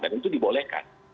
dan itu dibolehkan